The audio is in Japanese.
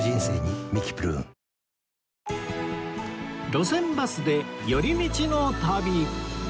『路線バスで寄り道の旅』